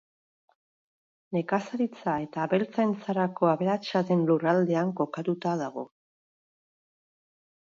Nekazaritza eta abeltzaintzarako aberatsa den lurraldean kokatuta dago.